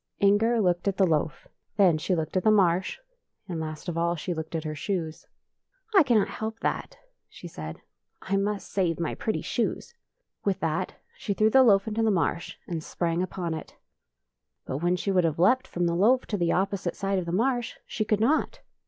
Inger looked at the loaf, then she looked [ 23 ] FAVORITE FAIRY TALES RETOLD at the marsh, and last of all she looked at her shoes. " I cannot help that," she said. " I must save my pretty shoes." With that she threw the loaf into the marsh and sprang upon it. But when she would have leaped from the loaf to the opposite side of the marsh, she could not.